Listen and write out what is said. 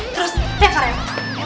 terus ya keren